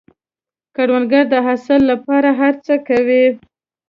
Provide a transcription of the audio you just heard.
کروندګر د حاصل له پاره هر څه کوي